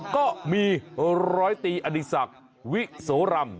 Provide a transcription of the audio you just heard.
ก็มีหรือร้อยตีอธิษฐกวิโสรำ